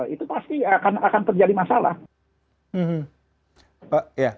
itu pasti akan terjadi masalah